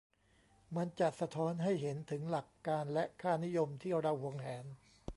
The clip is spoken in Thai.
มันจะสะท้อนให้เห็นถึงหลักการและค่านิยมที่เราหวงแหน